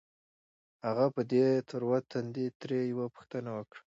هغه په ډېر تروه تندي ترې يوه پوښتنه وکړه.